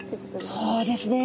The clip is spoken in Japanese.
そうですね。